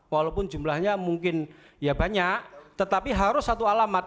walaupun jumlahnya mungkin ya banyak tetapi harus satu alamat